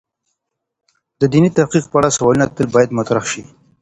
د دیني تحقیق په اړه سوالونه تل باید مطرح شی.